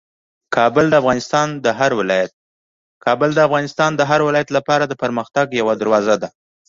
کابل د افغانستان د هر ولایت لپاره د پرمختګ یوه دروازه ده.